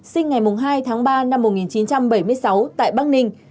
sinh ngày hai tháng ba năm một nghìn chín trăm bảy mươi sáu tại bắc ninh